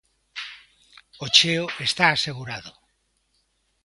O cheo está asegurado.